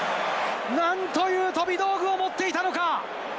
なんという飛び道具を持っていたのか！